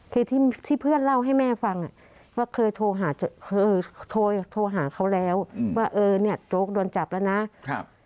คือที่เพื่อนเล่าให้แม่ฟังว่าเคยโทรหาเขาแล้วว่าเออเนี่ยโจ๊กโดนจับแล้วนะครับ